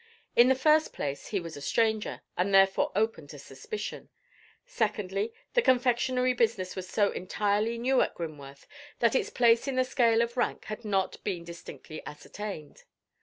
In the first place, he was a stranger, and therefore open to suspicion; secondly, the confectionery business was so entirely new at Grimworth, that its place in the scale of rank had not been distinctly ascertained.